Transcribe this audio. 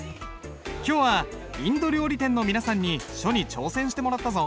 今日はインド料理店の皆さんに書に挑戦してもらったぞ。